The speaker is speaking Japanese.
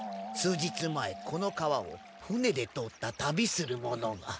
数日前この川をふねで通った旅する者が。